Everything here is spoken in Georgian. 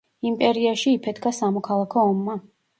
იმპერიაში იფეთქა სამოქალაქო ომმა.